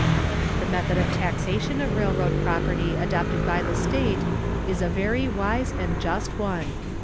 The method of taxation of railroad property adopted by the state is a very wise and just one.